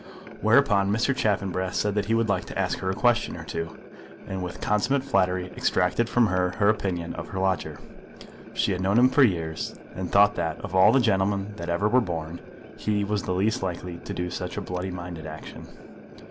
Whereupon Mr. Chaffanbrass said that he would like to ask her a question or two, and with consummate flattery extracted from her her opinion of her lodger. She had known him for years, and thought that, of all the gentlemen that ever were born, he was the least likely to do such a bloody minded action.